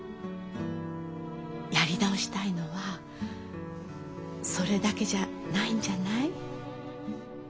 やり直したいのはそれだけじゃないんじゃない？